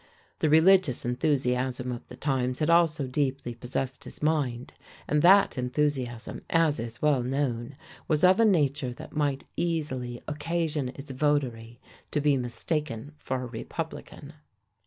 The religious enthusiasm of the times had also deeply possessed his mind, and that enthusiasm, as is well known, was of a nature that might easily occasion its votary to be mistaken for a republican.